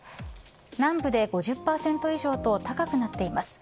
南部で５０％以上と高くなっています。